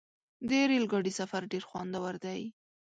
د ریل ګاډي سفر ډېر خوندور دی.